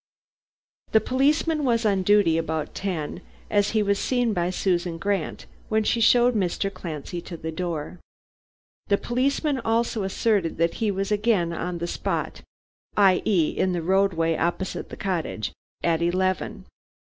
"The policeman was on duty about ten, as he was seen by Susan Grant when she showed Mr. Clancy to the door. The policeman also asserted that he was again on the spot i.e., in the roadway opposite the cottage at eleven.